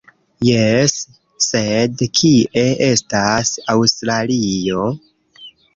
Jes, sed kie estas Aŭstralio?